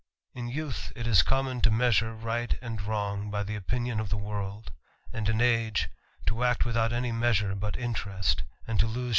In youth, it is common to measure right and wrong by the opinion of^the world, and in a^e, tQ_flCt idfcQ ut afiy measure but inlierest, and to lose